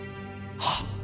はっ！